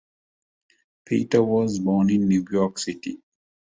Peter was born in New York City.